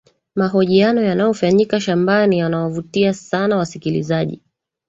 mahojiano yanayofanyika shambani yanawavutia sana wasikilizaji